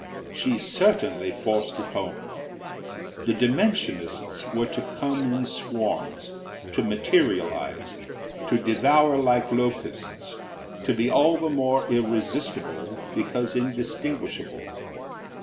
She certainly forced it home. The Dimensionists were to come in swarms, to materialise, to devour like locusts, to be all the more irresistible because indistinguishable.